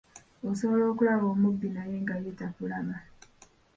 Osobola okulaba omubbi naye nga ye takulaba.